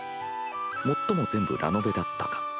もっとも全部ラノベだったが。